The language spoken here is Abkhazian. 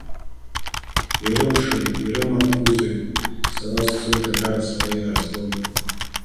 Ирылшом, ирымабкузеи, сара сцоит, агара сара иаазгоит.